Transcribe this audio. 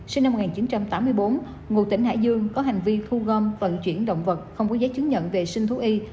sinh năm một nghìn chín trăm tám mươi bốn ngụ tỉnh hải dương có hành vi thu gom vận chuyển động vật không có giấy chứng nhận vệ sinh thú y